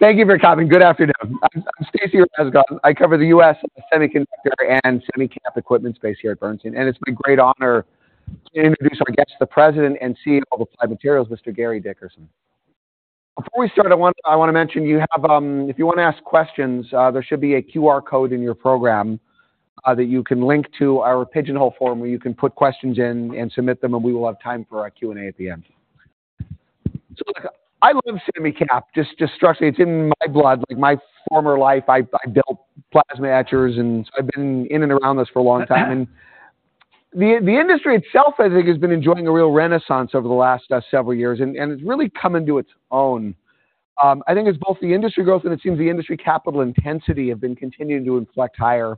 Thank you for coming. Good afternoon. I'm Stacy Rasgon. I cover the U.S. Semiconductor and SemiCap equipment space here at Bernstein, and it's my great honor to introduce our guest, the president and CEO of Applied Materials, Mr. Gary Dickerson. Before we start, I wanna mention, you have, if you wanna ask questions, there should be a QR code in your program, that you can link to our Pigeonhole form, where you can put questions in and submit them, and we will have time for our Q&A at the end. So look, I love SemiCap, just trust me, it's in my blood. Like, my former life, I built plasma etchers, and so I've been in and around this for a long time. The industry itself, I think, has been enjoying a real renaissance over the last several years, and it's really come into its own. I think it's both the industry growth and it seems the industry capital intensity have been continuing to inflect higher.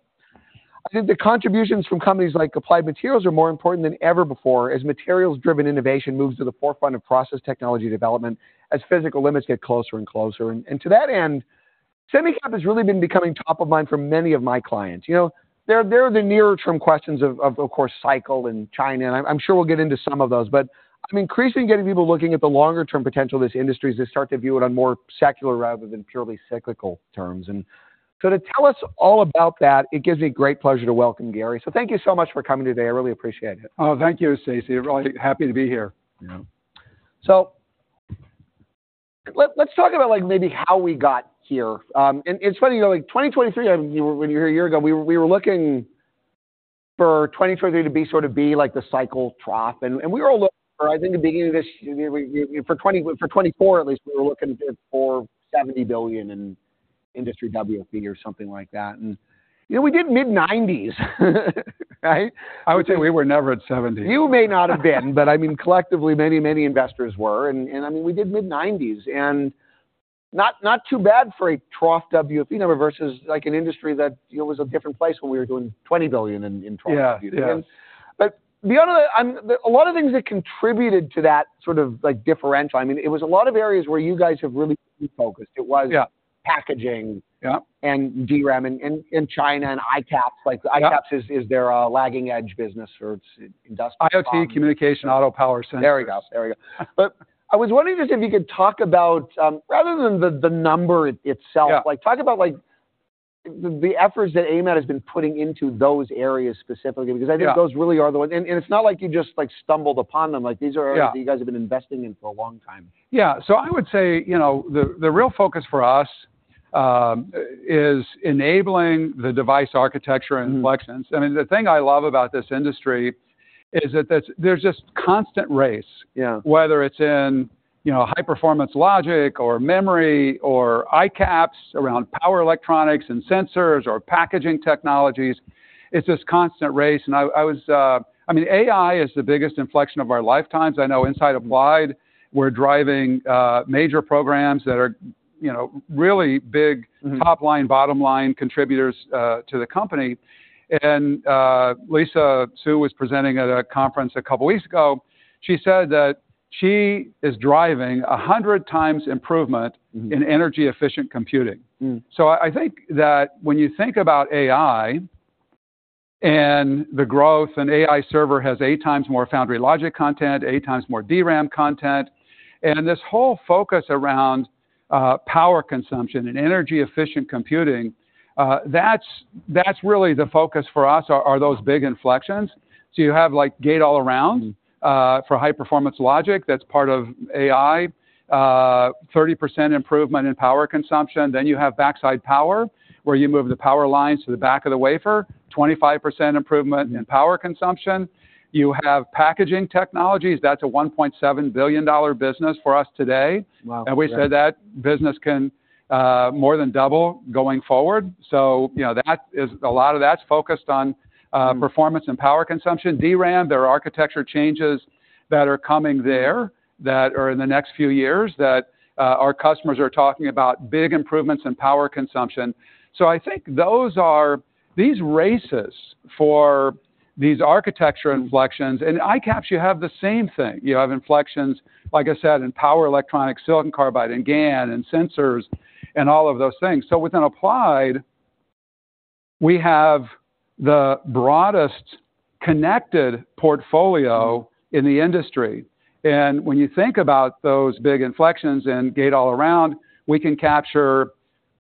I think the contributions from companies like Applied Materials are more important than ever before, as materials-driven innovation moves to the forefront of process technology development, as physical limits get closer and closer. And to that end, SemiCap has really been becoming top of mind for many of my clients. You know, there are the nearer-term questions of course, cycle and China, and I'm sure we'll get into some of those. But I'm increasingly getting people looking at the longer-term potential of this industry as they start to view it on more secular rather than purely cyclical terms. And so to tell us all about that, it gives me great pleasure to welcome Gary. So thank you so much for coming today. I really appreciate it. Oh, thank you, Stacy. I'm really happy to be here. Yeah. So let's talk about, like, maybe how we got here. And it's funny, you know, like, 2023, when you were here a year ago, we were looking for 2023 to be sort of like the cycle trough, and we were all looking. I think at the beginning of this year, for 2024, at least, we were looking for $70 billion in industry WFE or something like that. You know, we did mid-90s. Right? I would say we were never at 70. You may not have been, but I mean, collectively, many, many investors were, and I mean, we did mid-nineties. And not too bad for a trough WFE number versus, like, an industry that, you know, was a different place when we were doing $20 billion in trough WFE. Yeah, yeah. But beyond that, a lot of things that contributed to that sort of, like, differential, I mean, it was a lot of areas where you guys have really refocused. Yeah. It was packaging- Yeah... And DRAM in China and ICAPS. Yeah. Like, ICAPS is their lagging edge business, or it's industrial.. IoT, communications, automotive, power, sensors. There we go. There we go. But I was wondering just if you could talk about, rather than the number itself- Yeah.... Like, talk about, like, the efforts that AMAT has been putting into those areas specifically. Yeah. Because I think those really are the ones. And, and it's not like you just, like, stumbled upon them. Like, these are- Yeah.... You guys have been investing in for a long time. Yeah. So I would say, you know, the real focus for us is enabling the device architecture inflections. Mm. I mean, the thing I love about this industry is that there's this constant race- Yeah.... Whether it's in, you know, high-performance logic or memory or ICAPS around power electronics and sensors or packaging technologies, it's this constant race. And I was... I mean, AI is the biggest inflection of our lifetimes. I know inside of Applied, we're driving major programs that are, you know, really big- Mm-hmm.... Top-line, bottom-line contributors to the company. Lisa Su was presenting at a conference a couple of weeks ago. She said that she is driving 100 times improvement- Mm-hmm.... In energy-efficient computing. Mm. So I think that when you think about AI and the growth, and AI server has 8 times more foundry logic content, 8 times more DRAM content, and this whole focus around power consumption and energy-efficient computing, that's really the focus for us, are those big inflections. So you have, like, gate-all-around for high-performance logic, that's part of AI, 30% improvement in power consumption. Then you have backside power, where you move the power lines to the back of the wafer, 25% improvement in power consumption. You have packaging technologies, that's a $1.7 billion business for us today. Wow! And we say that business can more than double going forward. So you know, that is a lot of that's focused on- Mm.... Performance and power consumption. DRAM, there are architecture changes that are coming there, that are in the next few years, that our customers are talking about big improvements in power consumption. So I think those are these races for these architecture inflections, and ICAPS, you have the same thing. You have inflections, like I said, in power electronics, silicon carbide, and GaN, and sensors, and all of those things. So within Applied, we have the broadest connected portfolio in the industry. And when you think about those big inflections and Gate-All-Around, we can capture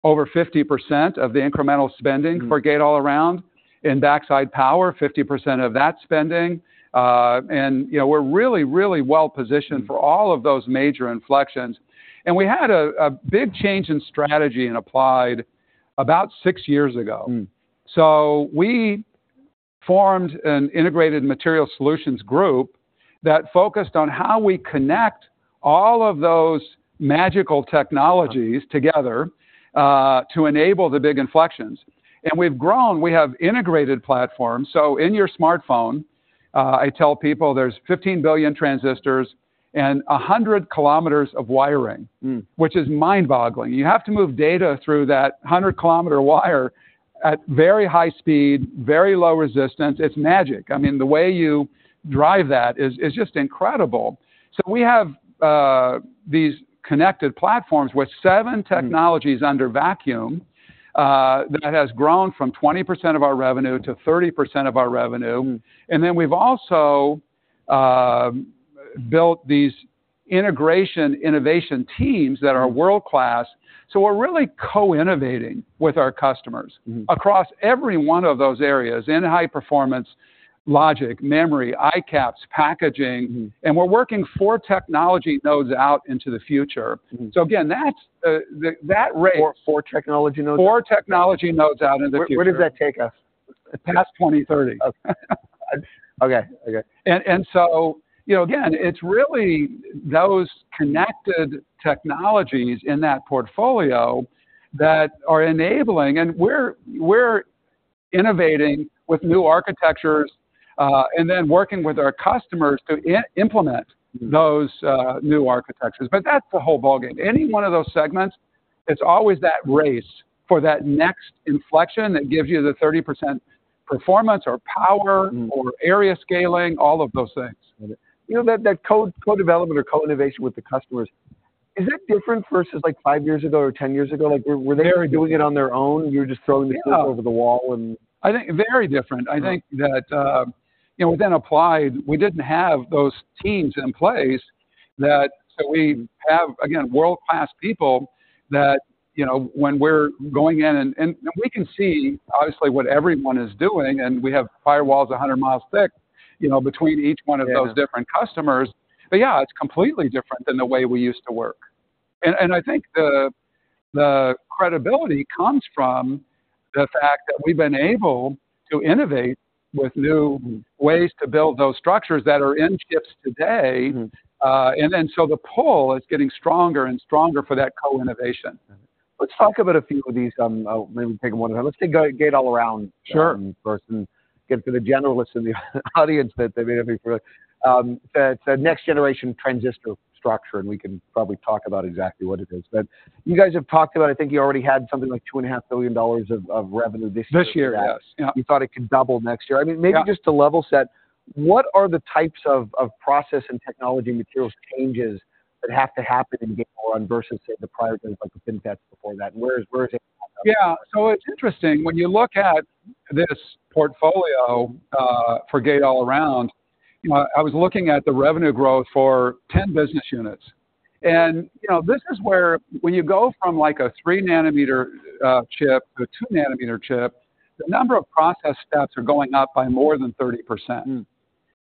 over 50% of the incremental spending- Mm.... Wor Gate-All-Around. In backside power, 50% of that spending. And, you know, we're really, really well-positioned for all of those major inflections. And we had a big change in strategy in Applied about six years ago. Mm. So we formed an Integrated Materials Solutions group that focused on how we connect all of those magical technologies together, to enable the big inflections. We've grown. We have integrated platforms. So in your smartphone, I tell people there's 15 billion transistors and 100 kilometers of wiring- Mm.... Which is mind-boggling. You have to move data through that 100-kilometer wire at very high speed, very low resistance. It's magic. I mean, the way you drive that is just incredible. So we have these connected platforms with seven technologies- Mm.... Under vacuum, that has grown from 20% of our revenue to 30% of our revenue. Mm. And then we've also built these integration, innovation teams that are world-class. So we're really co-innovating with our customers- Mm-hmm.... Across every one of those areas, in high performance, logic, memory, ICAPS, packaging. Mm-hmm. We're working four technology nodes out into the future. Mm-hmm. So again, that's that race- 4, 4 technology nodes? Four technology nodes out in the future. Where, where does that take us? Past 2030. Okay. Okay, okay. And so, you know, again, it's really those connected technologies in that portfolio that are enabling... And we're innovating with new architectures and then working with our customers to implement- Mm.... Those, new architectures. But that's the whole ballgame. Any one of those segments, it's always that race for that next inflection that gives you the 30% performance or power- Mm.... Or area scaling, all of those things. You know, that co-development or co-innovation with the customers, is it different versus, like, five years ago or ten years ago? Like, were they doing it on their own, and you w.ere just throwing- Yeah. ...The stuff over the wall, and? I think very different. Right. I think that, you know, within Applied, we didn't have those teams in place that—so we have, again, world-class people that, you know, when we're going in and we can see, obviously, what everyone is doing, and we have firewalls a hundred miles thick, you know, between each one of— Yeah.... Those different customers. But yeah, it's completely different than the way we used to work. And I think the credibility comes from the fact that we've been able to innovate with new- Mm.... Ways to build those structures that are in chips today. Mm-hmm. And so the pull is getting stronger and stronger for that co-innovation. Let's talk about a few of these. I'll maybe take one of them. Let's take Gate-All-Around- Sure.... First and get to the generalists in the audience that they may be for. It's a next-generation transistor structure, and we can probably talk about exactly what it is. But you guys have talked about, I think you already had something like $2.5 billion of revenue this year. This year, yes. Yeah. You thought it could double next year. Yeah. I mean, maybe just to level set, what are the types of of process and technology materials changes that have to happen in Gate-All-Around versus, say, the prior things, like the FinFET before that? Where is it? Yeah. So it's interesting, when you look at this portfolio, for Gate-All-Around, you know, I was looking at the revenue growth for 10 business units. And, you know, this is where when you go from, like, a 3 nm chip to a 2 nm chip, the number of process steps are going up by more than 30%. Mm.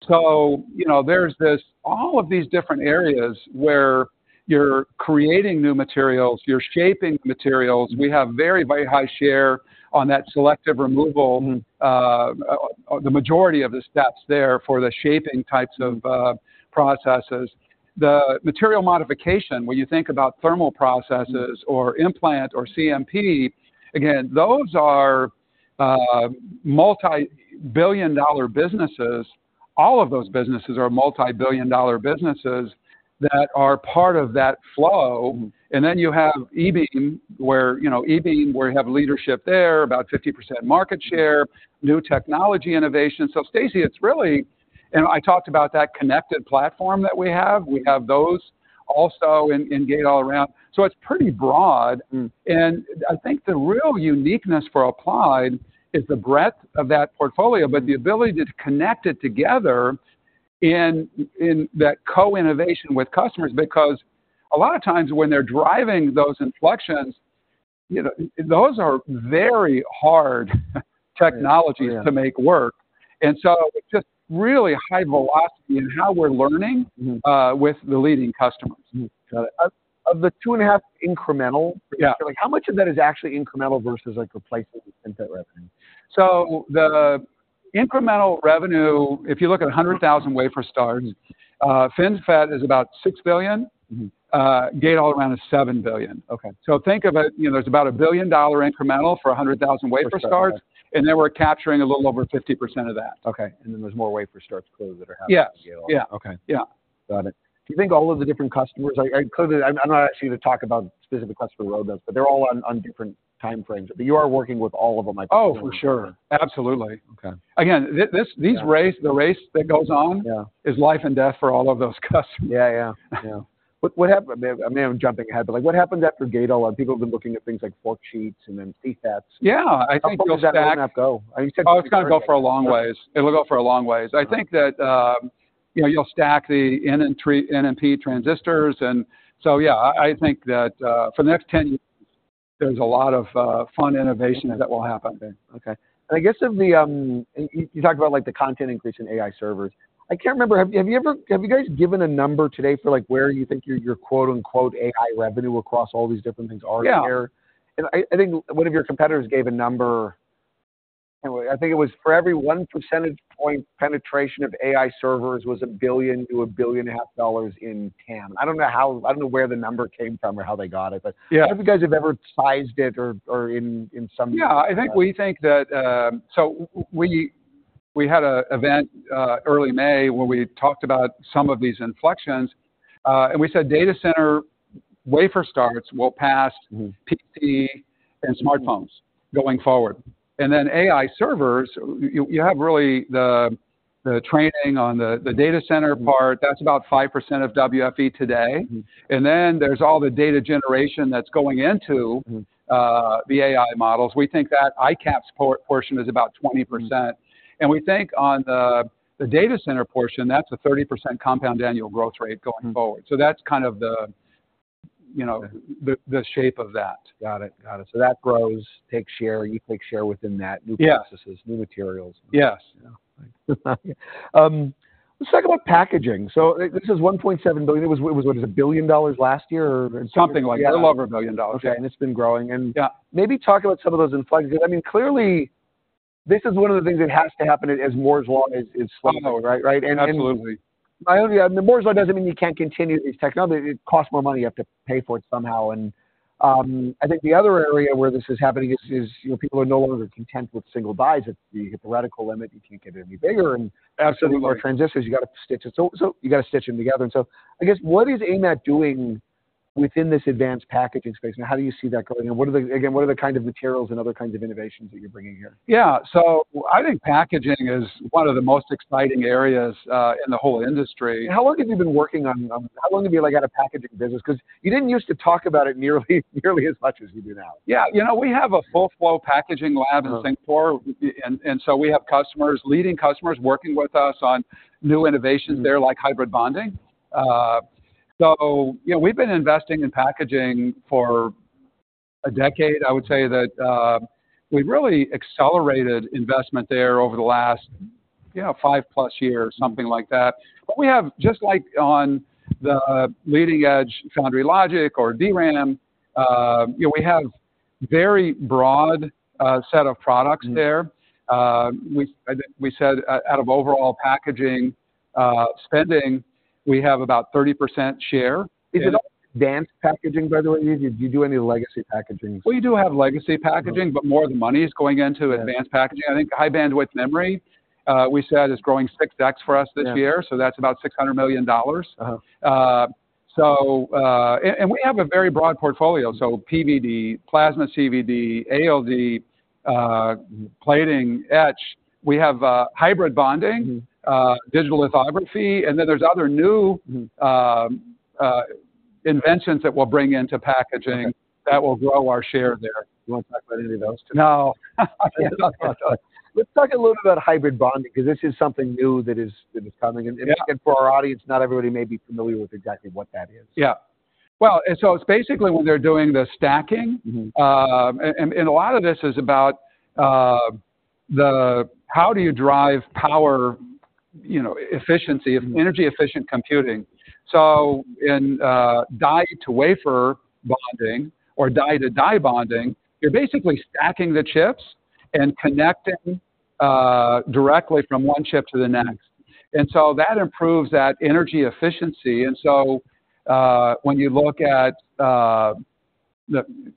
You know, there's this, all of these different areas where you're creating new materials, you're shaping materials. Mm. We have very, very high share on that selective removal- Mm.... The majority of the steps there for the shaping types of processes. The material modification, when you think about thermal processes- Mm.... Or implant or CMP, again, those are, multi-billion dollar businesses. All of those businesses are multi-billion dollar businesses that are part of that flow. Mm. And then you have E-beam, where, you know, E-beam, where you have leadership there, about 50% market share, new technology innovation. So Stacy, it's really... And I talked about that connected platform that we have. We have those also in Gate-All-Around, so it's pretty broad. Mm. And I think the real uniqueness for Applied is the breadth of that portfolio, but the ability to connect it together in that co-innovation with customers. Because a lot of times when they're driving those inflections, you know, those are very hard technologies- Yeah.... To make work. And so just really high velocity in how we're learning- Mm-hmm.... With the leading customers. Got it. Of the 2.5 incremental- Yeah.... How much of that is actually incremental versus, like, replacement in that revenue? So the incremental revenue, if you look at 100,000 wafer starts, FinFET is about $6 billion. Mm-hmm. Gate-All-Around is $7 billion. Okay. So think of it, you know, there's about $1 billion incremental for 100,000 wafer starts. Wafer starts. And then we're capturing a little over 50% of that. Okay, and then there's more wafer starts clearly that are happening in Gate-All-Around. Yeah. Okay. Yeah. Got it. Do you think all of the different customers... I clearly, I'm not asking you to talk about specific customer roadmaps, but they're all on, on different time frames. But you are working with all of them, I presume? Oh, for sure. Absolutely. Okay. Again, these race- Yeah.... The race that goes on- Yeah.... Is life and death for all of those customers. Yeah, yeah. Yeah. Maybe I'm jumping ahead, but like, what happens after Gate-All-Around? People have been looking at things like forksheets and then CFETs. Yeah, I think you'll stack- How far does that go? You said- Oh, it's gonna go for a long ways. Okay. It will go for a long ways. Uh. I think that, you know, you'll stack the N and P transistors. And so yeah, I think that, for the next 10 years, there's a lot of fun innovation that will happen. Okay. And I guess of the, you talked about, like, the content increase in AI servers. I can't remember. Have you ever, have you guys given a number to date for, like, where you think your, your, quote-unquote, "AI revenue" across all these different things are here? Yeah. I, I think one of your competitors gave a number, I think it was for every 1 percentage point penetration of AI servers was $1 billion-$1.5 billion in TAM. I don't know where the number came from or how they got it, but- Yeah.... Have you guys ever sized it or in some way? Yeah, I think we think that. So we had an event early May, where we talked about some of these inflections. And we said data center wafer starts will pass- Mm.... PC and smartphones- Mm.... Going forward. And then AI servers, you have really the training on the data center part- Mm.... That's about 5% of WFE today. Mm. And then there's all the data generation that's going into- Mm.... The AI models. We think that ICAPS portion is about 20%. Mm. We think on the data center portion, that's a 30% compound annual growth rate going forward. Mm. So that's kind of the, you know, the shape of that. Got it. Got it. So that grows, takes share, you take share within that- Yeah.... New processes, new materials. Yes. Let's talk about packaging. So this is $1.7 billion. It was what, it was $1 billion last year or- Something like that. Yeah. A little over $1 billion. Okay, and it's been growing. Yeah. And maybe talk about some of those inflections because, I mean, clearly, this is one of the things that has to happen as Moore's Law is slowing, right? Right, and- Absolutely. ... Moore's Law doesn't mean you can't continue these technologies. It costs more money, you have to pay for it somehow. I think the other area where this is happening is, you know, people are no longer content with single buys. If you hit the reticle limit, you can't get it any bigger and- Absolutely.... Larger transistors, you got to stitch it. So, so you got to stitch them together. And so I guess, what is AMAT doing within this advanced packaging space, and how do you see that going? And what are the... Again, what are the kind of materials and other kinds of innovations that you're bringing here? Yeah. So I think packaging is one of the most exciting areas in the whole industry. How long have you been, like, at a packaging business? Because you didn't use to talk about it nearly as much as you do now. Yeah. You know, we have a full-flow packaging lab- Uh-huh.... In Singapore, and so we have customers, leading customers, working with us on new innovations there, like hybrid bonding. So, you know, we've been investing in packaging for a decade. I would say that we've really accelerated investment there over the last, you know, 5-plus years, something like that. But we have, just like on the leading edge foundry logic or DRAM, you know, we have very broad set of products there. Mm. We, I think we said, out of overall packaging spending, we have about 30% share. Is it all advanced packaging, by the way? Do you, do you do any legacy packaging? We do have legacy packaging- Uh-huh.... But more of the money is going into- Yeah.... Advanced packaging. I think high-bandwidth memory, we said is growing 6x for us this year. Yeah. That's about $600 million. Uh-huh. We have a very broad portfolio, so PVD, Plasma CVD, ALD, plating, etch. We have hybrid bonding. Mm. Digital lithography, and then there's other new- Mm.... Inventions that we'll bring into packaging- Okay.... That will grow our share there. You want to talk about any of those today? No. Let's talk about that. Let's talk a little about hybrid bonding, because this is something new that is, that is coming. Yeah. And for our audience, not everybody may be familiar with exactly what that is. Yeah. Well, and so it's basically when they're doing the stacking. Mm-hmm. And a lot of this is about how do you drive power, you know, efficiency- Mm.... Energy-efficient computing? So in die-to-wafer bonding or die-to-die bonding, you're basically stacking the chips and connecting directly from one chip to the next. And so that improves that energy efficiency. And so when you look at the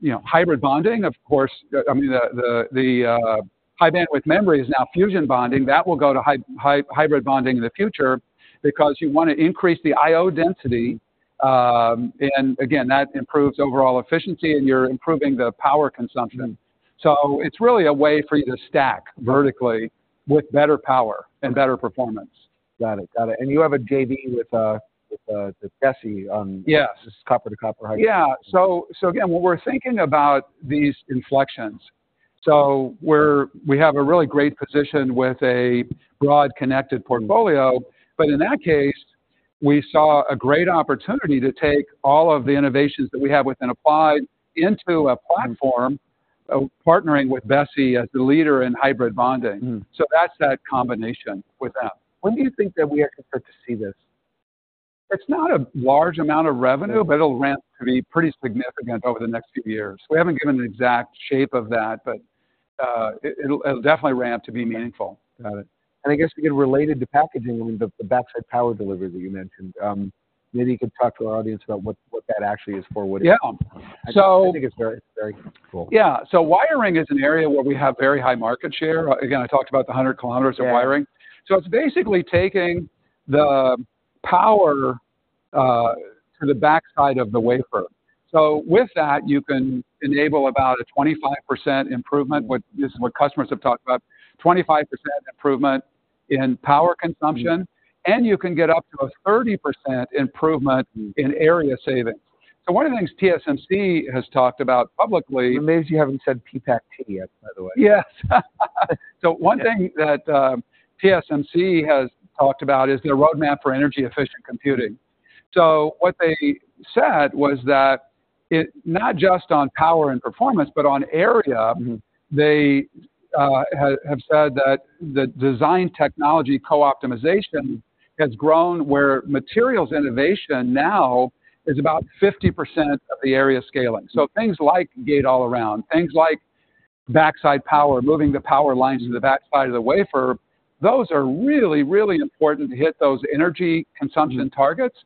you know hybrid bonding, of course, I mean the high-bandwidth memory is now fusion bonding. That will go to hybrid bonding in the future because you want to increase the I/O density, and again that improves overall efficiency, and you're improving the power consumption. Mm. So it's really a way for you to stack vertically with better power- Right.... And better performance. Got it. Got it. And you have a JV with, with, with Besi on- Yes.... Copper-to-copper hybrid. Yeah. So, so again, when we're thinking about these inflections, so we have a really great position with a broad connected portfolio, but in that case, we saw a great opportunity to take all of the innovations that we have within Applied into a platform, partnering with Besi as the leader in hybrid bonding. Mm. So that's that combination with them. When do you think that we are going to start to see this? It's not a large amount of revenue. Mm. But it'll ramp to be pretty significant over the next few years. We haven't given an exact shape of that, but it'll definitely ramp to be meaningful. Got it. And I guess, again, related to packaging, the Backside Power Delivery that you mentioned, maybe you could talk to our audience about what that actually is for, what it- Yeah. So-... I think it's very, very cool. Yeah. So wiring is an area where we have very high market share. Mm. Again, I talked about the 100 km of wiring. Yeah. So it's basically taking the power to the backside of the wafer. So with that, you can enable about a 25% improvement, which is what customers have talked about, 25% improvement in power consumption- Mm.... And you can get up to a 30% improvement- Mm.... in area savings. So one of the things TSMC has talked about publicly- I'm amazed you haven't said PPACT yet, by the way. Yes. So one thing- Yeah.... That TSMC has talked about is their roadmap for energy-efficient computing. So what they said was that it not just on power and performance, but on area- Mm-hmm.... They have said that the design technology co-optimization has grown, where materials innovation now is about 50% of the area scaling. Mm. So things like Gate-All-Around, things like backside power, moving the power lines to the backside of the wafer, those are really, really important to hit those energy consumption targets.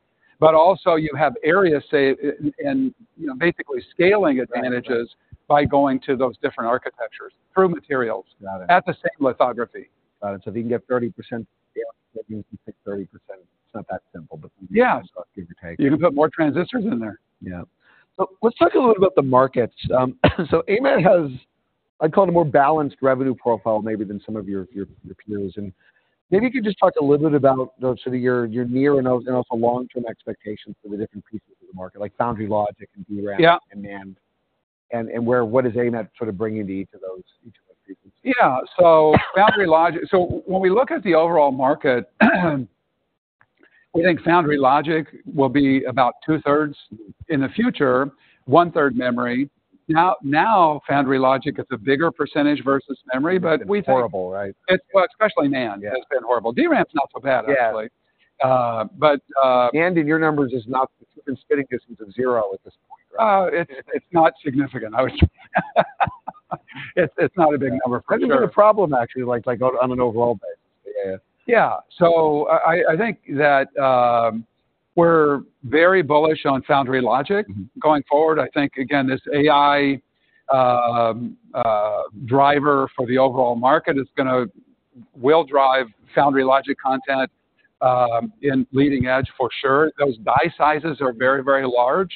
Mm. But also, you have area save, in, you know, basically scaling advantages- Right.... By going to those different architectures through materials- Got it.... At the same lithography. Got it. So if you can get 30%, yeah, that means you take 30%. It's not that simple, but- Yeah.... Give or take. You can put more transistors in there. Yeah. So let's talk a little about the markets. So AMAT has, I'd call it, a more balanced revenue profile maybe than some of your peers. And maybe you could just talk a little bit about those, so your near- and long-term expectations for the different pieces of the market, like foundry logic and DRAM- Yeah.... And NAND. And, and where, what is AMAT sort of bringing to each of those, each of those pieces? Yeah, so foundry logic. So when we look at the overall market, we think foundry logic will be about two-thirds in the future, one-third memory. Now, foundry logic is a bigger percentage versus memory, but we think- It's horrible, right? It's well, especially NAND- Yeah.... Has been horrible. DRAM's not so bad, actually. Yeah. But. NAND, in your numbers, is not, it's spitting distance of zero at this point, right? It's not significant. It's not a big number, for sure. That's been a problem, actually, like, like on an overall basis. Yeah. Yeah. So I think that, we're very bullish on foundry logic. Mm. Going forward, I think, again, this AI driver for the overall market will drive foundry logic content in leading edge for sure. Those die sizes are very, very large,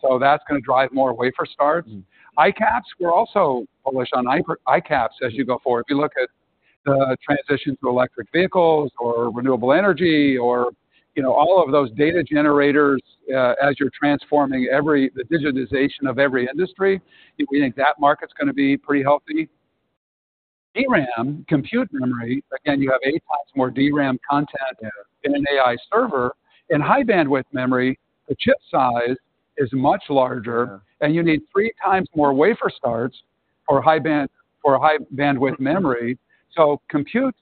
so that's gonna drive more wafer starts. Mm. ICAPS, we're also bullish on ICAPS as you go forward. If you look at the transition to electric vehicles or renewable energy or, you know, all of those data generators, as you're transforming everything, the digitization of every industry, we think that market's gonna be pretty healthy. DRAM, compute memory, again, you have eight times more DRAM content- Yeah.... In an AI server. In high-bandwidth memory, the chip size is much larger- Sure.... And you need three times more wafer starts for high-bandwidth memory. So compute,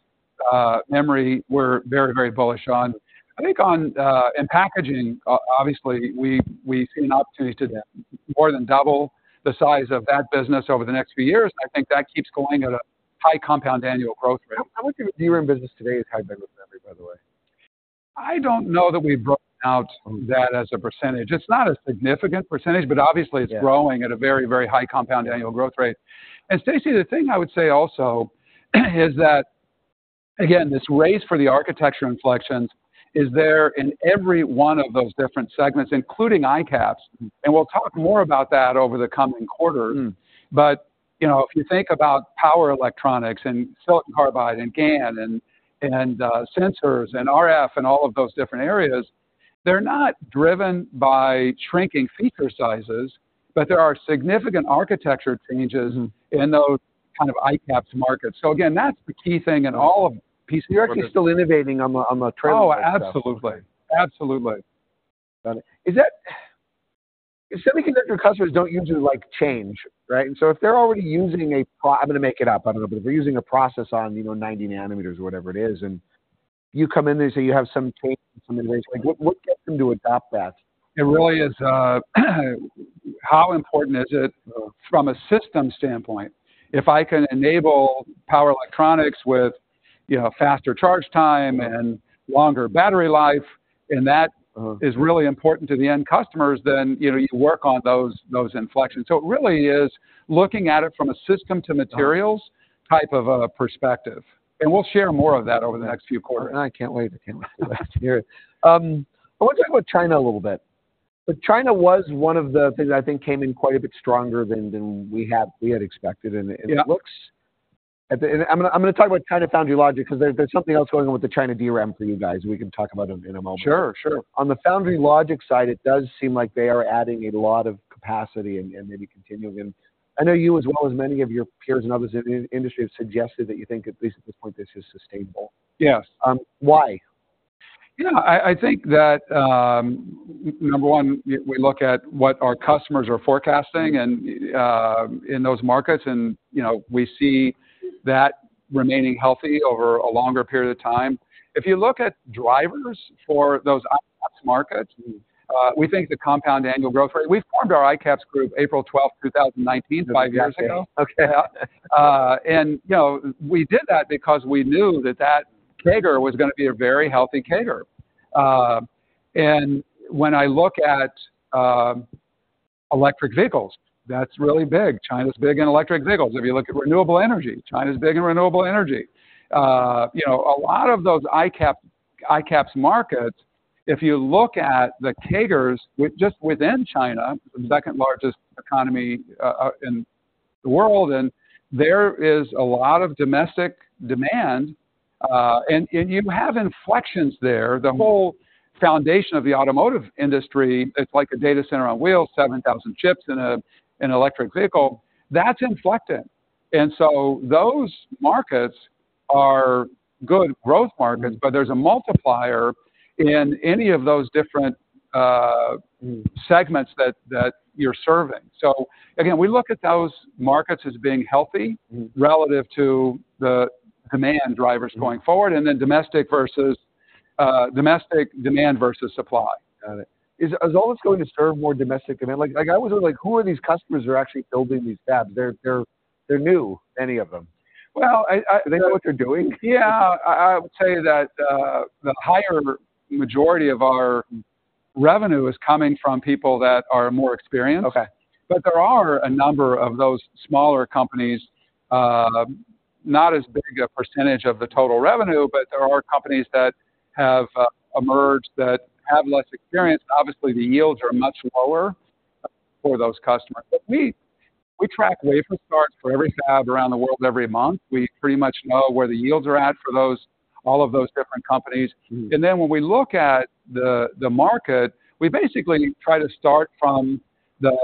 memory, we're very, very bullish on. I think on in packaging, obviously, we see an opportunity to more than double the size of that business over the next few years. I think that keeps going at a high compound annual growth rate. How much of your DRAM business today is high-bandwidth memory, by the way? I don't know that we've broken out that as a percentage. It's not a significant percentage, but obviously- Yeah.... It's growing at a very, very high compound annual growth rate. And Stacy, the thing I would say also, is that, again, this race for the architecture inflections is there in every one of those different segments, including ICAPS. Mm. We'll talk more about that over the coming quarter. Mm. But, you know, if you think about power electronics and silicon carbide and GaN and sensors and RF and all of those different areas, they're not driven by shrinking feature sizes, but there are significant architecture changes. Mm.... In those kind of ICAPS markets. So again, that's the key thing in all of PC- You're actually still innovating on the trail- Oh, absolutely. Absolutely. Got it. Is that semiconductor customers don't usually like change, right? And so if they're already using a process, I'm gonna make it up, I don't know, but if they're using a process on, you know, 90 nanometers or whatever it is, and you come in there, so you have some tape, some innovation, like, what gets them to adopt that? It really is, how important is it from a system standpoint, if I can enable power electronics with, you know, faster charge time and longer battery life, and that- Uh, yeah.... Is really important to the end customers, then, you know, you work on those inflections. So it really is looking at it from a system to materials- Got it.... Type of a perspective. We'll share more of that over the next few quarters. I can't wait. I can't wait to hear it. I want to talk about China a little bit. China was one of the things I think came in quite a bit stronger than we had expected. Yeah. It looks at the end, I'm gonna talk about China Foundry Logic, because there's something else going on with the China DRAM for you guys. We can talk about it in a moment. Sure, sure. On the foundry logic side, it does seem like they are adding a lot of capacity and maybe continuing in. I know you, as well as many of your peers and others in the industry, have suggested that you think, at least at this point, this is sustainable. Yes. Um, why? You know, I think that, number one, we look at what our customers are forecasting and in those markets, and you know, we see that remaining healthy over a longer period of time. If you look at drivers for those ICAPS markets- Mm.... We think the compound annual growth rate. We formed our ICAPS group April 12th, 2019, five years ago. Okay. And, you know, we did that because we knew that that CAGR was gonna be a very healthy CAGR. And when I look at electric vehicles, that's really big. China's big in electric vehicles. If you look at renewable energy, China's big in renewable energy. You know, a lot of those ICAPS markets, if you look at the CAGRs just within China, the second largest economy in the world, and there is a lot of domestic demand, and you have inflections there. Mm. The whole foundation of the automotive industry, it's like a data center on wheels, 7,000 chips in an electric vehicle, that's inflecting. And so those markets are good growth markets, but there's a multiplier in any of those different- Mm.... Segments that you're serving. So again, we look at those markets as being healthy- Mm.... Relative to the demand drivers going forward, and then domestic versus, domestic demand versus supply. Got it. Is all this going to serve more domestic demand? Like, I was like, who are these customers who are actually building these fabs? They're new, many of them. Well. Do they know what they're doing? Yeah. I would say that the higher majority of our revenue is coming from people that are more experienced. Okay. But there are a number of those smaller companies, not as big a percentage of the total revenue, but there are companies that have emerged that have less experience. Obviously, the yields are much lower for those customers, but we track wafer starts for every fab around the world every month. We pretty much know where the yields are at for those, all of those different companies. Mm. And then when we look at the market, we basically try to start from the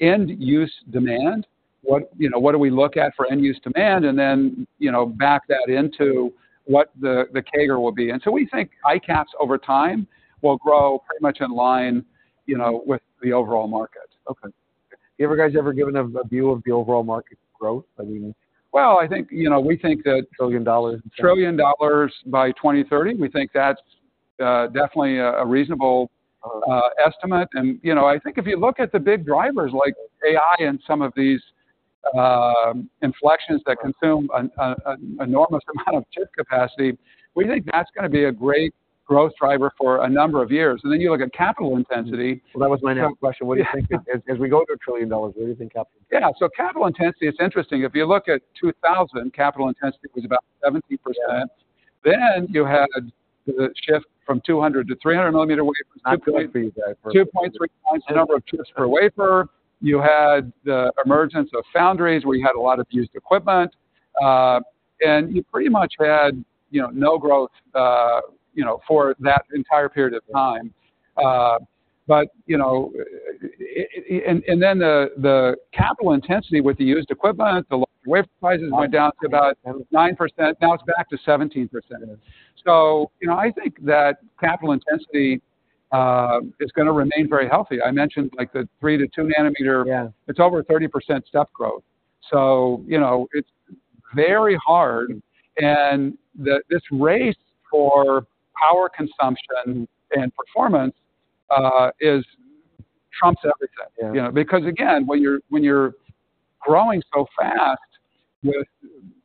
end-use demand. What, you know, what do we look at for end-use demand? And then, you know, back that into what the CAGR will be. And so we think ICAPS, over time, will grow pretty much in line, you know, with the overall market. Okay. You ever guys ever given a, a view of the overall market growth? I mean- Well, I think, you know, we think that- Trillion dollars. $1 trillion by 2030, we think that's definitely a reasonable estimate. And, you know, I think if you look at the big drivers like AI and some of these inflections that consume an enormous amount of chip capacity, we think that's gonna be a great growth driver for a number of years. And then you look at capital intensity- Well, that was my next question. Yeah. What do you think as we go to $1 trillion, what do you think capital- Yeah, so capital intensity, it's interesting. If you look at 2000, capital intensity was about 17%. Yeah. Then, you had the shift from 200 mm-300 mm wafers- I believe that- 2.3 times the number of chips per wafer. You had the emergence of foundries, where you had a lot of used equipment. And you pretty much had, you know, no growth, you know, for that entire period of time. But, you know, and then the capital intensity with the used equipment, the wafer prices went down to about 9%, now it's back to 17%. Yeah. So, you know, I think that capital intensity is gonna remain very healthy. I mentioned, like, the 3 nm-2 nm- Yeah.... It's over a 30% step growth. So, you know, it's very hard, and this race for power consumption and performance is trumps everything. Yeah. You know, because, again, when you're growing so fast with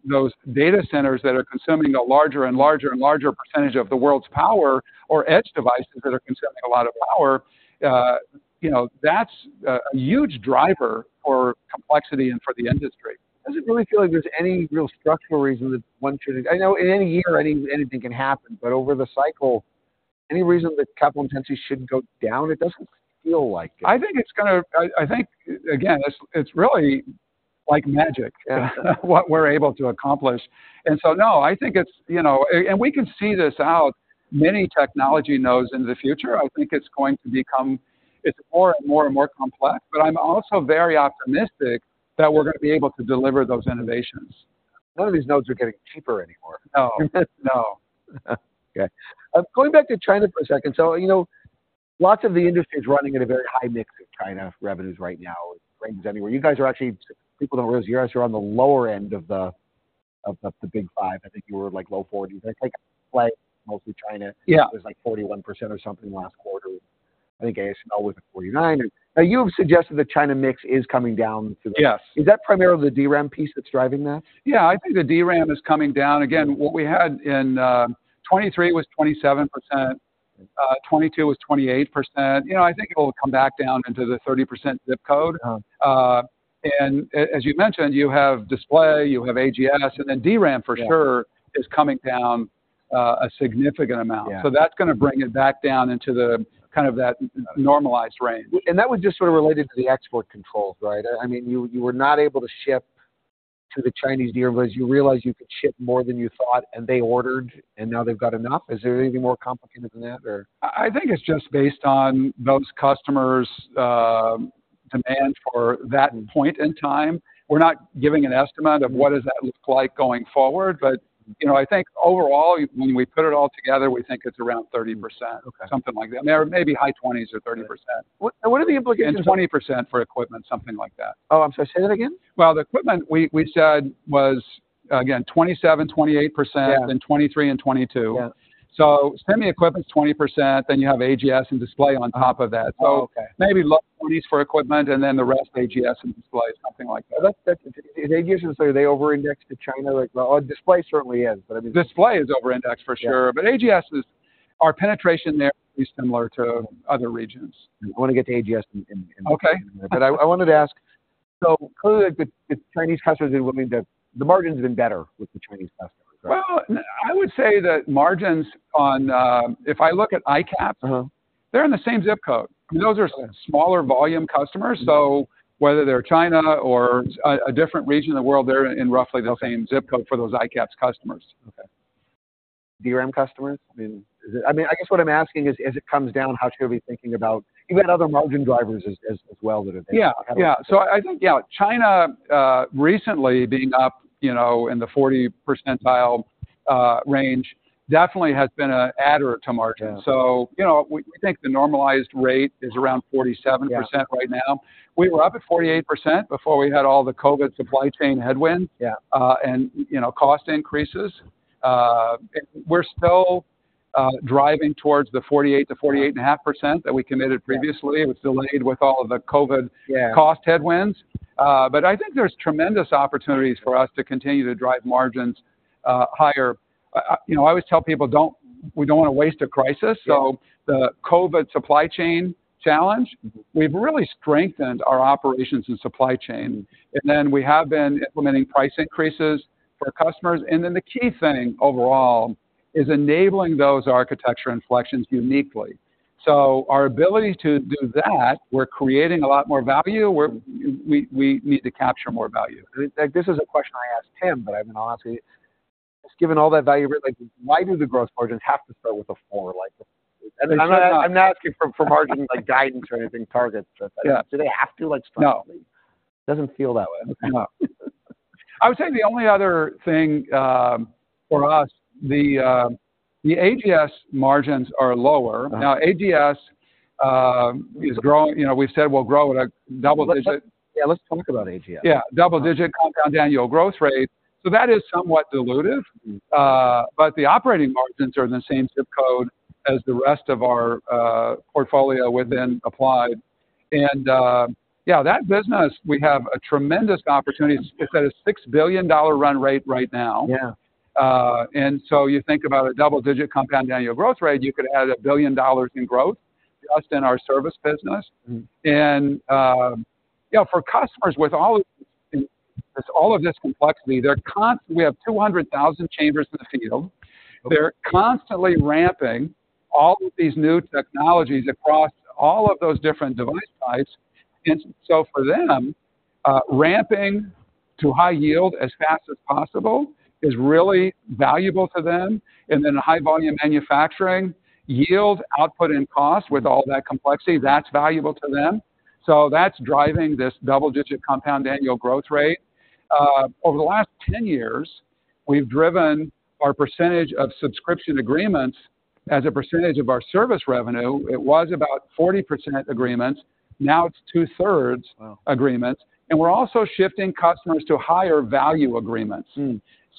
those data centers that are consuming a larger and larger, and larger percentage of the world's power, or edge devices that are consuming a lot of power, you know, that's a huge driver for complexity and for the industry. Does it really feel like there's any real structural reason that one should, I know in any year, anything can happen, but over the cycle, any reason that capital intensity shouldn't go down? It doesn't feel like it. I think it's gonna—I think, again, it's really like magic, what we're able to accomplish. And so, no, I think it's, you know... And we can see this out many technology nodes into the future. I think it's going to become more and more complex, but I'm also very optimistic that we're gonna be able to deliver those innovations. None of these nodes are getting cheaper anymore. No. No. Okay. Going back to China for a second. So, you know, lots of the industry is running at a very high mix of China revenues right now, ranges anywhere. You guys are actually, people don't realize, you guys are on the lower end of the big five. I think you were, like, low 40. I think, like, mostly China. Yeah. It was, like, 41% or something last quarter. I think ASML was at 49%. And now, you've suggested that China mix is coming down to- Yes.... Is that primarily the DRAM piece that's driving that? Yeah, I think the DRAM is coming down. Again, what we had in 2023 was 27%, 2022 was 28%. You know, I think it'll come back down into the 30% ZIP code. Uh. And as you mentioned, you have display, you have AGS, and then DRAM, for sure- Yeah.... Is coming down, a significant amount. Yeah. So that's gonna bring it back down into the, kind of that normalized range. That was just sort of related to the export controls, right? I mean, you were not able to ship to the Chinese dealers. You realized you could ship more than you thought, and they ordered, and now they've got enough? Is there anything more complicated than that or? I think it's just based on those customers' demand for that point in time. We're not giving an estimate of what does that look like going forward, but, you know, I think overall, when we put it all together, we think it's around 30%. Okay. Something like that. There may be high 20s or 30%. What, what are the implications- 20% for equipment, something like that. Oh, I'm sorry. Say that again? Well, the equipment we said was, again, 27%-28%. Yeah. Then 23% and 22%. Yeah. Semi equipment's 20%, then you have AGS and display on top of that. Oh, okay. Maybe low 20s for equipment, and then the rest, AGS and display, something like that. That's... And AGS, are they over-indexed to China, like? Oh, display certainly is, but I mean- Display is over-indexed, for sure. Yeah. But AGS is, our penetration there is similar to other regions. I want to get to AGS. Okay. But I wanted to ask, so clearly, the Chinese customers, it would mean that the margin's been better with the Chinese customers, right? Well, I would say that margins on... If I look at ICAPS- Uh-huh.... They're in the same zip code, and those are smaller volume customers. Mm. So whether they're China or a different region of the world, they're in roughly the same zip code for those ICAPS customers. Okay. DRAM customers? I mean, is it... I mean, I guess what I'm asking is, as it comes down, how should we be thinking about even other margin drivers as, as, as well that are there? Yeah. Yeah. So I think, yeah, China recently being up, you know, in the 40% range, definitely has been a adder to margins. Yeah. So, you know, we think the normalized rate is around 47%- Yeah.... right now. We were up at 48% before we had all the COVID supply chain headwinds- Yeah.... and you know, cost increases. We're still driving towards the 48%-48.5% that we committed previously. Yeah. It was delayed with all of the COVID- Yeah.... Cost headwinds. But I think there's tremendous opportunities for us to continue to drive margins higher. You know, I always tell people, "We don't want to waste a crisis." Yeah. The COVID supply chain challenge, we've really strengthened our operations and supply chain, and then we have been implementing price increases for customers. Then the key thing, overall, is enabling those architecture inflections uniquely. So our ability to do that, we're creating a lot more value, we need to capture more value. And, like, this is a question I asked Tim, but I mean, I'll ask you. Given all that value, like, why do the gross margins have to start with a four, like? I'm not asking for margin, like, guidance or anything, targets. Yeah. Do they have to, like, fundamentally? No. It doesn't feel that way. No. I would say the only other thing, for us, the AGS margins are lower. Uh. Now, AGS is growing. You know, we've said we'll grow at a double digit- Yeah, let's talk about AGS. Yeah, double-digit compound annual growth rate. That is somewhat dilutive. Mm. But the operating margins are in the same zip code as the rest of our portfolio within Applied. Yeah, that business, we have a tremendous opportunity. It's at a $6 billion run rate right now. Yeah. And so you think about a double-digit compound annual growth rate, you could add $1 billion in growth just in our service business. Mm. And, you know, for customers with all of, all of this complexity, they're constantly. We have 200,000 chambers in the field. Okay. They're constantly ramping all of these new technologies across all of those different device types. And so for them, ramping to high yield as fast as possible is really valuable to them. And then high volume manufacturing, yield, output, and cost, with all that complexity, that's valuable to them. So that's driving this double-digit compound annual growth rate. Over the last 10 years, we've driven our percentage of subscription agreements as a percentage of our service revenue. It was about 40% agreements, now it's two-thirds- Wow. - agreements, and we're also shifting customers to higher value agreements.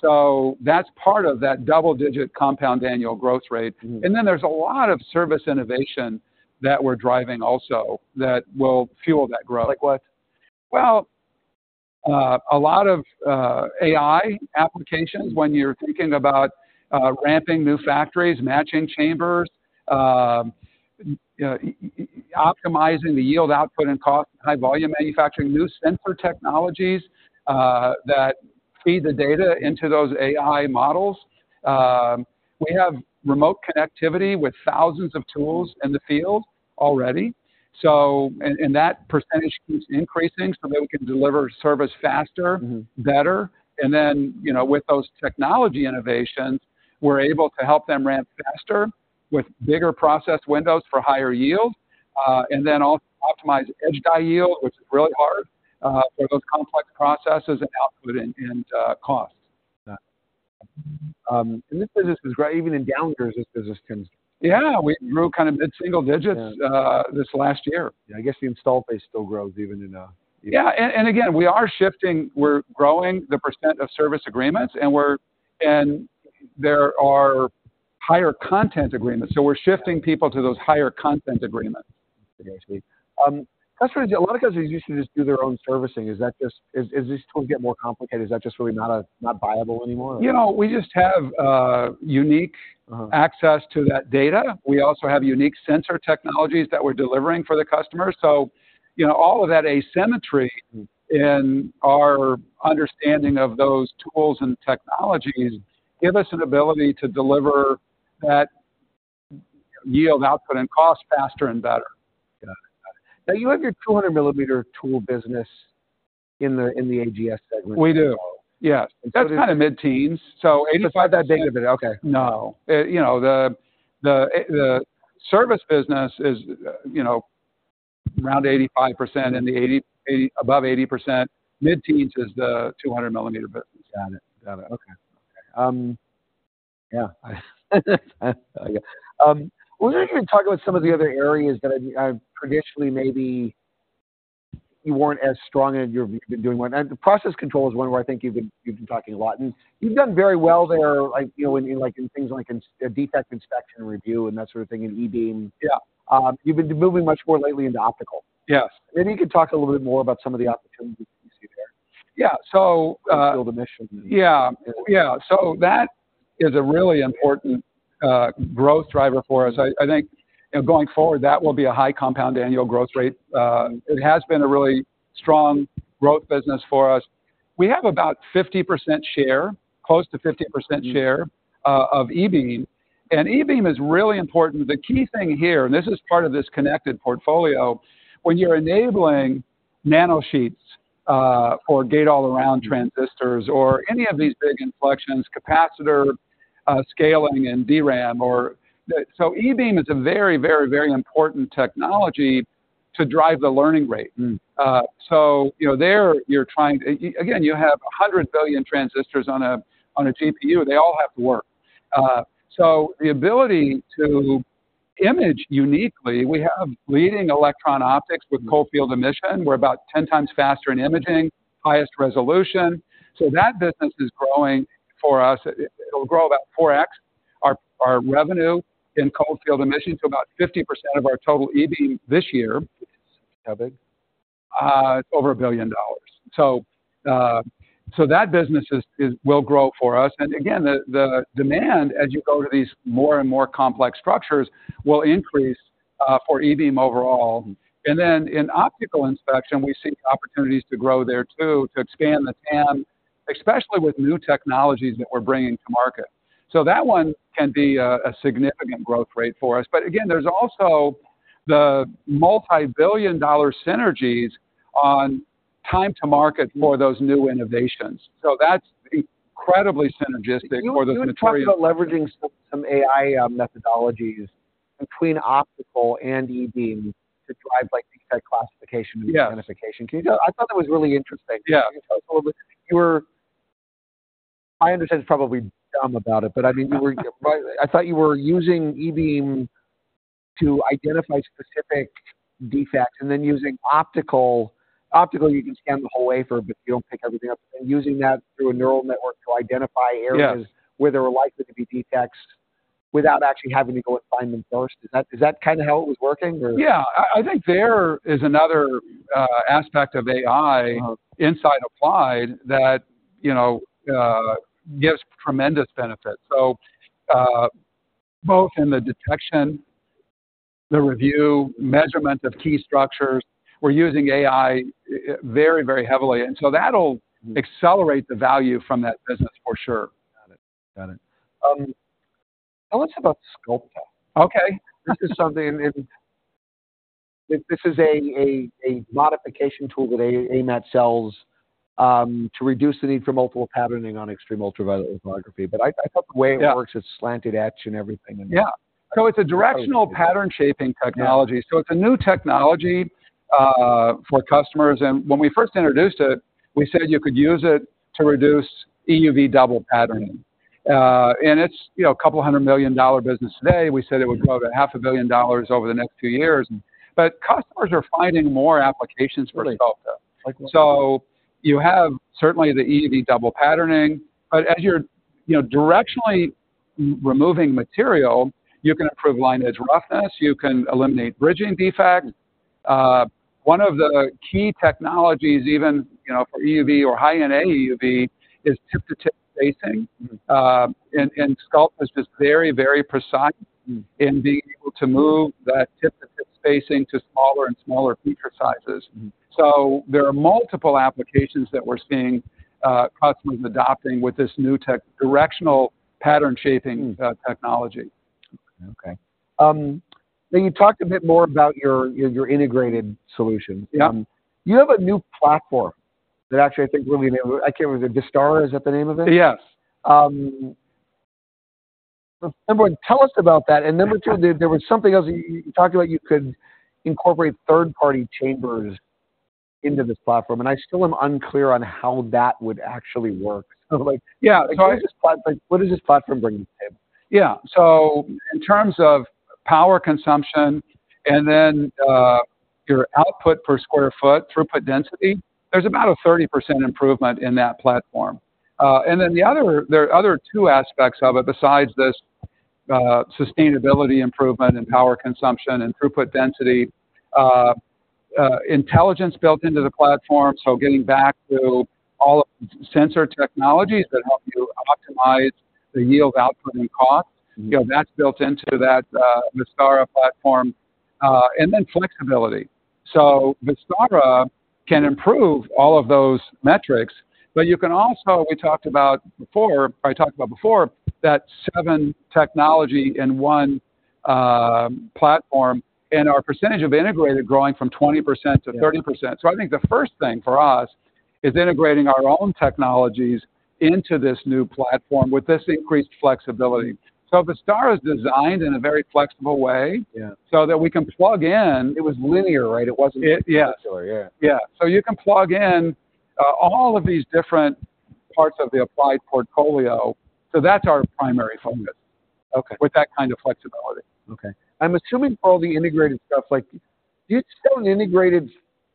Mm. That's part of that double-digit compound annual growth rate. Mm. There's a lot of service innovation that we're driving also that will fuel that growth. Like what? Well, a lot of AI applications, when you're thinking about ramping new factories, matching chambers, you know, optimizing the yield, output, and cost, high volume manufacturing, new sensor technologies that feed the data into those AI models. We have remote connectivity with thousands of tools in the field already, so... And that percentage keeps increasing, so then we can deliver service faster- Mm-hmm.... Better. And then, you know, with those technology innovations, we're able to help them ramp faster with bigger process windows for higher yield, and then optimize edge die yield, which is really hard for those complex processes and output and cost. Yeah. This business is great. Even in down years, this business can- Yeah, we grew kind of mid-single digits- Yeah.... This last year. Yeah, I guess the installed base still grows even in a- Yeah, and again, we are shifting. We're growing the percent of service agreements, and we're, and there are higher content agreements, so we're shifting people to those higher content agreements. Okay, sweet. Customers, a lot of companies used to just do their own servicing. Is that just... As these tools get more complicated, is that just really not viable anymore? You know, we just have unique- Uh-huh.... Access to that data. We also have unique sensor technologies that we're delivering for the customer. So, you know, all of that asymmetry- Mm.... In our understanding of those tools and technologies give us an ability to deliver that yield, output, and cost faster and better. Got it. Now, you have your 200 mm tool business in the AGS segment? We do. Okay. Yeah. So- That's kind of mid-teens, so 85- So it's not that big of a... Okay. No. You know, the service business is, you know, around 85% and the 80- above 80%. Mid-teens is the 200 mm business. Got it. Got it. Okay. Yeah. I want you to talk about some of the other areas that I traditionally maybe you weren't as strong as you've been doing well. The process control is one where I think you've been talking a lot, and you've done very well there, like, you know, in things like defect inspection review and that sort of thing, in E-beam. Yeah. You've been moving much more lately into optical. Yes. Maybe you could talk a little bit more about some of the opportunities you see there. Yeah. So- Cold Field Emission. Yeah. Yeah. So that is a really important growth driver for us. I think, you know, going forward, that will be a high compound annual growth rate. It has been a really strong growth business for us. We have about 50% share, close to 50% share- Mm.... Of E-beam, and E-beam is really important. The key thing here, and this is part of this connected portfolio, when you're enabling nanosheets, or Gate-All-Around transistors or any of these big inflections, capacitor scaling and DRAM or so E-beam is a very, very, very important technology to drive the learning rate. Mm. So, you know, you're trying to... you have 100 billion transistors on a GPU, they all have to work. So the ability to image uniquely, we have leading electron optics with cold field emission. We're about 10 times faster in imaging, highest resolution. So that business is growing for us. It'll grow about 4x our revenue in cold field emission to about 50% of our total E-beam this year. How big? Over $1 billion. So, that business will grow for us. And again, the demand, as you go to these more and more complex structures, will increase for E-beam overall. Mm. And then in optical inspection, we see opportunities to grow there too, to expand the TAM. Especially with new technologies that we're bringing to market. So that one can be a, a significant growth rate for us. But again, there's also the multi-billion dollar synergies on time to market for those new innovations. So that's incredibly synergistic for the material- You talked about leveraging some AI methodologies between optical and E-beam to drive, like, the classification- Yeah.... And identification. I thought that was really interesting. Yeah. Can you talk a little bit? I understand it's probably dumb about it, but, I mean, I thought you were using E-beam to identify specific defects, and then using optical. Optical, you can scan the whole wafer, but you don't pick everything up. And using that through a neural network to identify areas- Yeah.... Where there are likely to be defects without actually having to go and find them first. Is that, is that kind of how it was working, or? Yeah. I think there is another aspect of AI- Uh-huh.... Inside Applied that, you know, gives tremendous benefit. So, both in the detection, the review, measurement of key structures, we're using AI very, very heavily, and so that'll- Mm.... Accelerate the value from that business for sure. Got it. Got it. Now let's talk about Sculpta. Okay. This is a modification tool that AMAT sells to reduce the need for multiple patterning on extreme ultraviolet lithography. But I thought the way- Yeah.... It works, it's slanted edge and everything. Yeah. So it's a directional pattern shaping technology. Yeah. So it's a new technology for customers, and when we first introduced it, we said you could use it to reduce EUV double patterning. And it's, you know, a $200 million business today. We said it would grow to $500 million over the next few years, but customers are finding more applications for Sculpta. Like what? So you have certainly the EUV double patterning, but as you're, you know, directionally removing material, you can improve line edge roughness, you can eliminate bridging defects. One of the key technologies, even, you know, for EUV or high-NA EUV, is tip-to-tip spacing. Mm. Sculpta is just very, very precise- Mm.... In being able to move that tip-to-tip spacing to smaller and smaller feature sizes. Mm. So there are multiple applications that we're seeing customers adopting with this new tech, directional pattern shaping- Mm.... Technology. Okay. Can you talk a bit more about your, your integrated solution? Yeah. You have a new platform that actually, I think, really... I can't remember, Vistara, is that the name of it? Yes. Number one, tell us about that, and number two, there, there was something else you, you talked about, you could incorporate third-party chambers into this platform, and I still am unclear on how that would actually work. So like- Yeah.... Like, what does this platform bring to the table? Yeah. So in terms of power consumption and then, your output per sq ft, throughput density, there's about a 30% improvement in that platform. And then the other, there are other two aspects of it, besides this, sustainability improvement in power consumption and throughput density, intelligence built into the platform. So getting back to all of the sensor technologies that help you optimize the yield output and cost- Mm.... You know, that's built into that, Vistara platform, and then flexibility. So Vistara can improve all of those metrics, but you can also, we talked about before, I talked about before, that seven technology in one, platform, and our percentage of integrated growing from 20% to 30%. Yeah. I think the first thing for us is integrating our own technologies into this new platform with this increased flexibility. Vistara is designed in a very flexible way- Yeah.... So that we can plug in It was linear, right? It wasn't- It... Yeah.... Perpendicular. Yeah. Yeah. So you can plug in all of these different parts of the Applied portfolio. So that's our primary focus- Okay.... With that kind of flexibility. Okay. I'm assuming all the integrated stuff, like, do you sell an integrated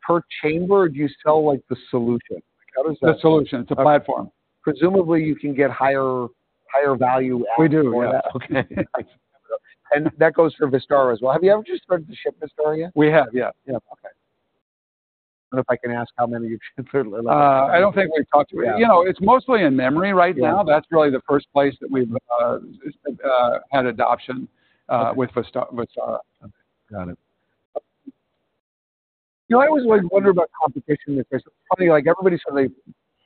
per chamber, or do you sell, like, the solution? How does that- The solution. Okay. It's a platform. Presumably, you can get higher value- We do. Yeah. Okay. And that goes for Vistara as well. Have you ever just started to ship Vistara yet? We have, yeah. Yeah. Okay. I don't know if I can ask how many you've shipped or delivered. I don't think we've talked about- Yeah.... You know, it's mostly in memory right now. Yeah. That's really the first place that we've had adoption. Okay. With Vistara, Vistara. Okay. Got it. You know, I always wonder about competition in this. Funny, like everybody said,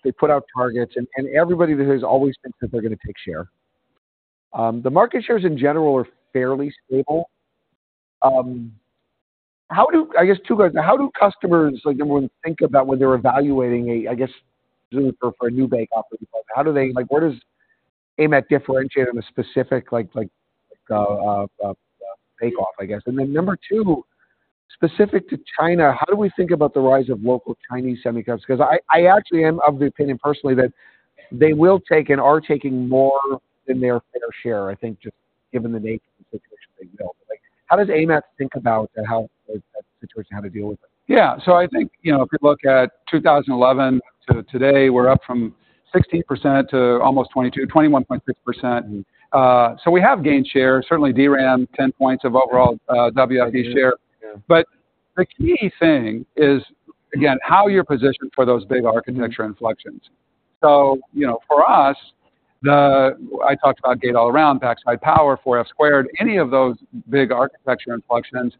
they put out targets, and everybody there has always been that they're gonna take share. The market shares in general are fairly stable. I guess two ways, how do customers, like, when think about when they're evaluating a, I guess, for a new bake-off, how do they like, where does AMAT differentiate on a specific like, bake-off, I guess? And then number two, specific to China, how do we think about the rise of local Chinese semis, 'cause I actually am of the opinion personally, that they will take and are taking more than their fair share, I think, just given the nature of the situation they built? Like, how does AMAT think about how, that situation, how to deal with it? Yeah. So I think, you know, if you look at 2011 to today, we're up from 16% to almost 22, 21.6%. So we have gained share, certainly DRAM, 10 points of overall, WFE share. Yeah. But the key thing is, again, how you're positioned for those big architecture inflections. So you know, for us, I talked about Gate All Around, backside power, 4F squared, any of those big architecture inflections.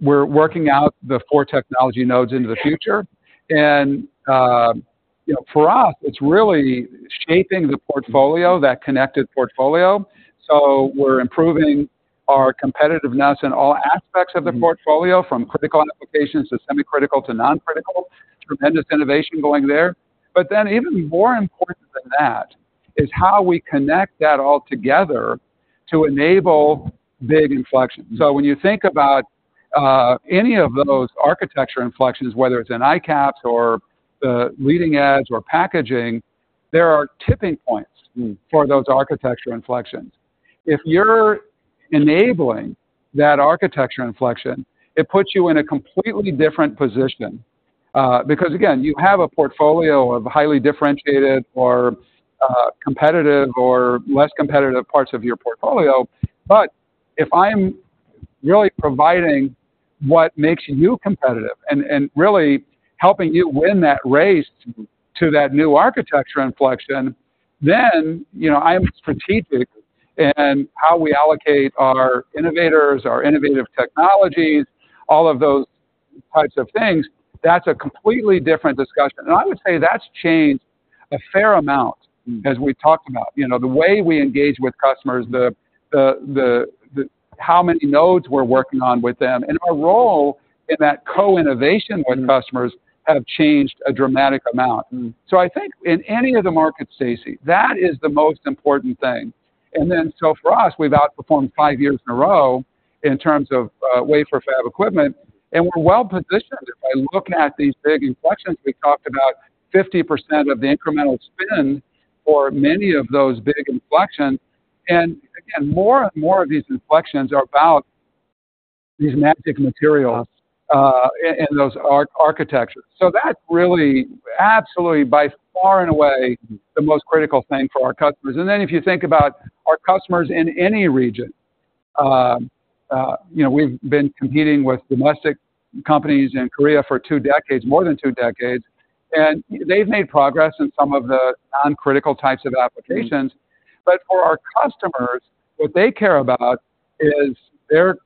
We're working out the 4 technology nodes into the future. And you know, for us, it's really shaping the portfolio, that connected portfolio. So we're improving our competitiveness in all aspects of the portfolio, from critical applications to semi-critical to non-critical. Tremendous innovation going there. But then, even more important than that, is how we connect that all together to enable big inflection. So when you think about any of those architecture inflections, whether it's in ICAPS or the leading edge or packaging, there are tipping points. Mm. For those architecture inflections. If you're enabling that architecture inflection, it puts you in a completely different position. Because, again, you have a portfolio of highly differentiated or competitive or less competitive parts of your portfolio, but if I'm really providing what makes you competitive and, and really helping you win that race to that new architecture inflection, then, you know, I'm strategic in how we allocate our innovators, our innovative technologies, all of those types of things, that's a completely different discussion. And I would say that's changed a fair amount. Mm. As we talked about. You know, the way we engage with customers, how many nodes we're working on with them, and our role in that co-innovation with customers have changed a dramatic amount. Mm. So I think in any of the markets, Stacy, that is the most important thing. And then, so for us, we've outperformed 5 years in a row in terms of wafer fab equipment, and we're well positioned. By looking at these big inflections, we talked about 50% of the incremental spend for many of those big inflections. And again, more and more of these inflections are about these magnetic materials and those architectures. So that really, absolutely, by far and away, the most critical thing for our customers. And then if you think about our customers in any region, you know, we've been competing with domestic companies in Korea for 2 decades, more than 2 decades, and they've made progress in some of the non-critical types of applications. Mm. But for our customers, what they care about is their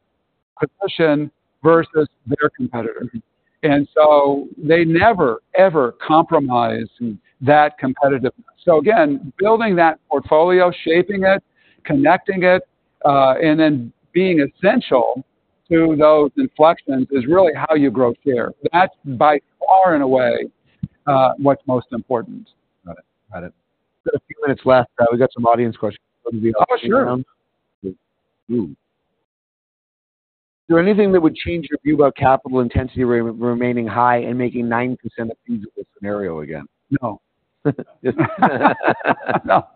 position versus their competitor. Mm. And so they never, ever compromise- Mm.... That competitiveness. So again, building that portfolio, shaping it, connecting it, and then being essential to those inflections is really how you grow share. That's by far and away, what's most important. Got it. Got it. So a few minutes left, we've got some audience questions. Oh, sure! Ooh. Is there anything that would change your view about capital intensity remaining high and making 9% a feasible scenario again? No. No.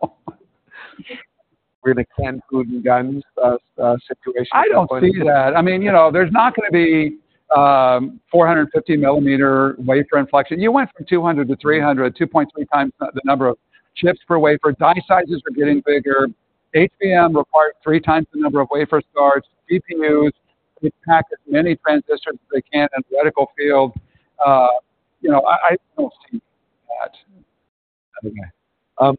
We're in a can't get enough situation. I don't see that. I mean, you know, there's not gonna be 450 mm wafer inflection. You went from 200 to 300, 2.3 times the number of chips per wafer. Die sizes are getting bigger. HBM required 3 times the number of wafer starts. CPUs, they pack as many transistors as they can in reticle field. You know, I don't see that. Okay.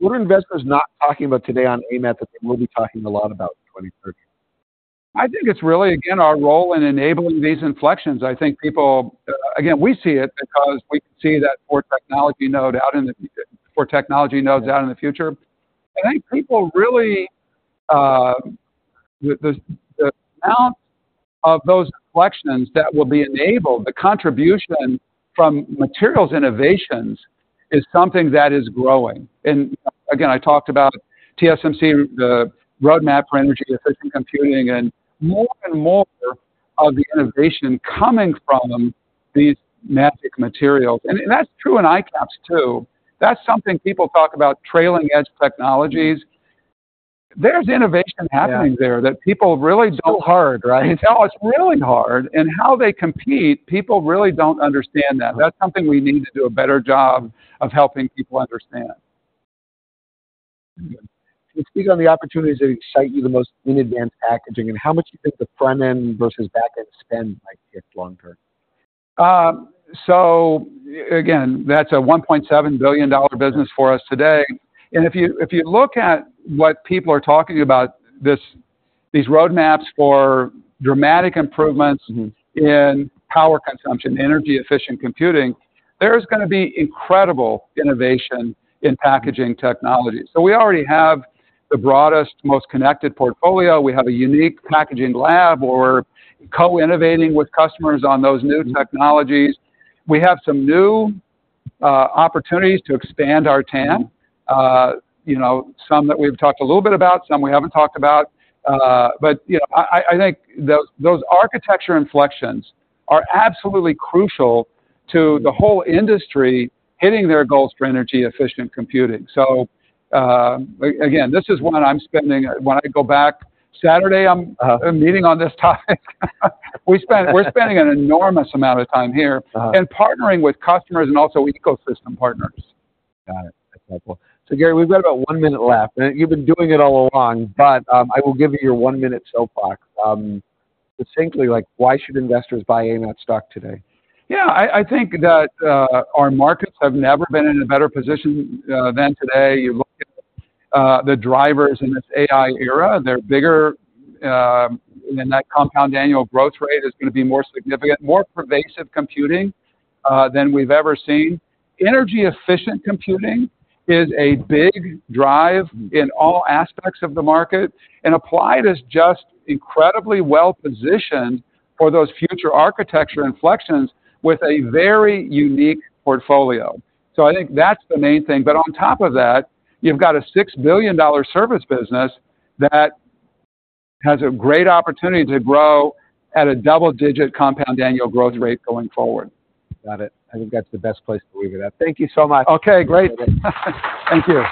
What are investors not talking about today on AMAT that they will be talking a lot about in 2030? I think it's really, again, our role in enabling these inflections. I think people, again, we see it because we see that four technology nodes out in the future. I think people really, the amount of those inflections that will be enabled, the contribution from materials innovations, is something that is growing. And again, I talked about TSMC, the roadmap for energy efficient computing, and more and more of the innovation coming from these magic materials. And that's true in ICAPS, too. That's something people talk about, trailing edge technologies. There's innovation happening there- Yeah.... That people really don't- It's so hard, right? No, it's really hard. And how they compete, people really don't understand that. That's something we need to do a better job of helping people understand. Can you speak on the opportunities that excite you the most in advanced packaging, and how much do you think the front end versus back end spend might get long term? So again, that's a $1.7 billion business for us today. And if you, if you look at what people are talking about, this, these roadmaps for dramatic improvements- Mm.... In power consumption, energy efficient computing, there's gonna be incredible innovation in packaging technology. So we already have the broadest, most connected portfolio. We have a unique packaging lab, we're co-innovating with customers on those new technologies. We have some new opportunities to expand our TAM. You know, some that we've talked a little bit about, some we haven't talked about. But, you know, I think those architecture inflections are absolutely crucial to the whole industry hitting their goals for energy efficient computing. So, again, this is one I'm spending... When I go back Saturday, I'm- Uh.... Meeting on this topic. We spent, we're spending an enormous amount of time here. Uh. Partnering with customers and also ecosystem partners. Got it. That's helpful. So Gary, we've got about one minute left, and you've been doing it all along, but, I will give you your one-minute soapbox. Succinctly, like, why should investors buy AMAT stock today? Yeah, I think that our markets have never been in a better position than today. You look at the drivers in this AI era, they're bigger than that compound annual growth rate is gonna be more significant, more pervasive computing than we've ever seen. Energy-efficient computing is a big drive in all aspects of the market, and Applied is just incredibly well-positioned for those future architecture inflections with a very unique portfolio. So I think that's the main thing. But on top of that, you've got a $6 billion service business that has a great opportunity to grow at a double-digit compound annual growth rate going forward. Got it. I think that's the best place to leave it at. Thank you so much. Okay, great. Thank you.